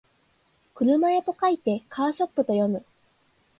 車屋と書いてカーショップと読む